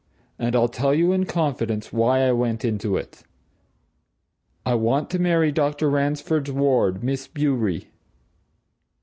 And I'll tell you in confidence why I went into it I want to marry Dr. Ransford's ward, Miss Bewery!"